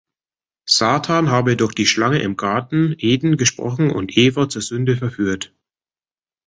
Satan habe durch die Schlange im Garten Eden gesprochen und Eva zur Sünde verführt.